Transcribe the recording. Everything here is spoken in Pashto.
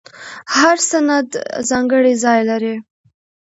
هر سند ځانګړی ځای لري.